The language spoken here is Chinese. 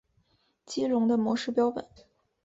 激龙的模式标本。